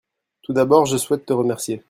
tout d'abord je souhaite te remercier.